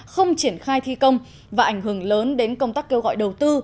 không triển khai thi công và ảnh hưởng lớn đến công tác kêu gọi đầu tư